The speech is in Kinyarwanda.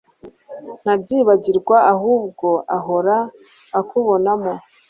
ntabyibagirwa ahubwo ahora akubonamo